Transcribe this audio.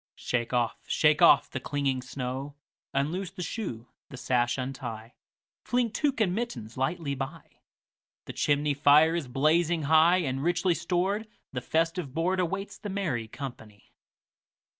Shake off, shake off the clinging snow; Unloose the shoe, the sash untie, Fling tuque and mittens lightly by; The chimney fire is blazing high, And, richly stored, the festive boardAwaits the merry company.